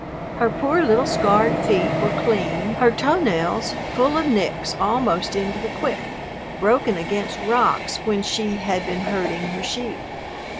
Her poor little scarred feet were clean, her toe nails full of nicks almost into the quick, broken against rocks when she had been herding her sheep.